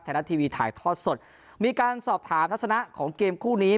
ไทยรัฐทีวีถ่ายทอดสดมีการสอบถามลักษณะของเกมคู่นี้